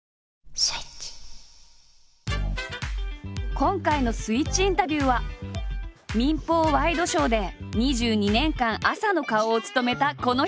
今回の「スイッチインタビュー」は民放ワイドショーで２２年間朝の顔を務めたこの人。